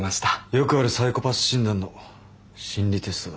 よくあるサイコパス診断の心理テストだ。